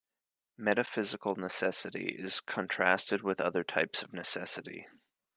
Metaphysical necessity is contrasted with other types of necessity.